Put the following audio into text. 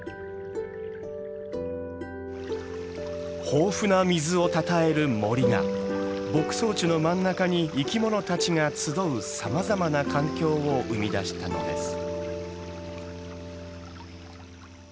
豊富な水をたたえる森が牧草地の真ん中に生きものたちが集うさまざまな環境を生み出したのです。